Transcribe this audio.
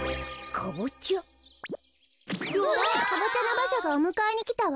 カボチャのばしゃがおむかえにきたわ。